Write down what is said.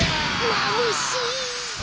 まぶしい！